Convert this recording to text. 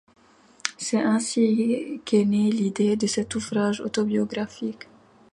C'est ainsi qu'est née l'idée de cet ouvrage autobiographique.